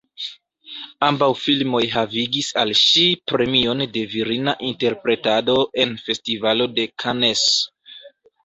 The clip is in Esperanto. Ambaŭ filmoj havigis al ŝi premion de virina interpretado en Festivalo de Cannes.